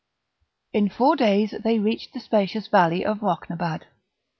In four days they reached the spacious valley of Rocnabad.